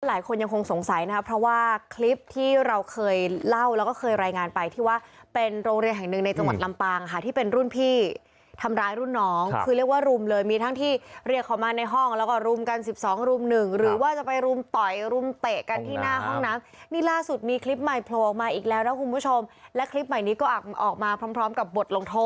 หลายคนยังคงสงสัยนะครับเพราะว่าคลิปที่เราเคยเล่าแล้วก็เคยรายงานไปที่ว่าเป็นโรงเรียนแห่งหนึ่งในจังหวัดลำปางค่ะที่เป็นรุ่นพี่ทำร้ายรุ่นน้องคือเรียกว่ารุ่มเลยมีทั้งที่เรียกเขามาในห้องแล้วก็รุ่มกันสิบสองรุ่มหนึ่งหรือว่าจะไปรุ่มต่อยรุ่มเตะกันที่หน้าห้องน้ำนี่ล่าสุดมีคลิปใหม่โผล่